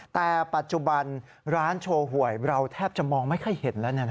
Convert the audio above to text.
แต่ปัจจุบันร้านโชว์หวยเราแทบจะมองไม่ค่อยเห็นแล้ว